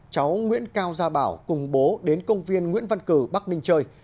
cháu nguyễn cao gia bảo cùng bố đến công viên nguyễn văn cử bắc ninh chơi